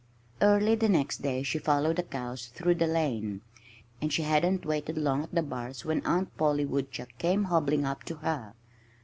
Early the next day she followed the cows through the lane. And she hadn't waited long at the bars when Aunt Polly Woodchuck came hobbling up to her.